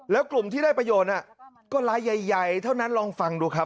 แล้วกลุ่มที่ได้ประโยชน์ก็รายใหญ่เท่านั้นลองฟังดูครับ